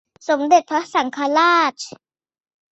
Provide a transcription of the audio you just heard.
สมเด็จพระสังฆราช